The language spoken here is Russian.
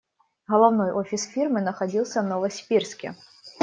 Головной офис фирмы находился в Новосибирске.